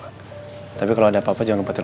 ayo k nyayikan len un mes healing design ber personal